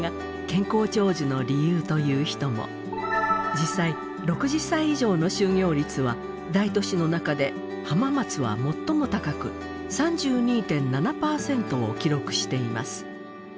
実際６０歳以上の就業率は大都市の中で浜松は最も高く３２．７％を記録しています。